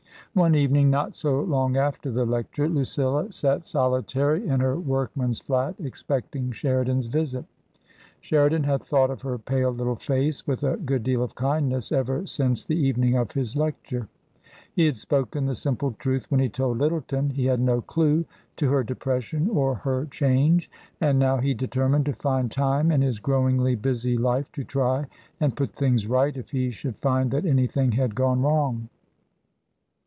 One evening, not so long after the lecture, Lucilla sat TRANSITION. 141 solitary in her workman's flat expecting Sheridan's visit. Sheridan had thought of her pale little face with a good deal of kindness ever since the evening of his lecture. He had spoken the simple truth when he told Lyttleton he had no clue to her depression or her change ; and how he determined to find time in his growingly busy life to try and put things right if he should find that anything had gone wrong.